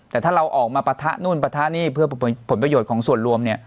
แต่ถ้าเราออกมาปะทะนู่นปะทะนี่เพื่อผลประโยชน์ของส่วนรวมเนี่ย